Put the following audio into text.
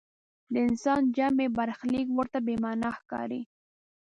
د انسان جمعي برخلیک ورته بې معنا ښکاري.